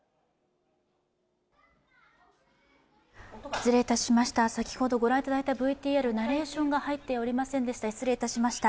失礼いたしました、先ほどご覧いただいたＶＴＲ、ナレーションが入っていませんでした、失礼いたしました。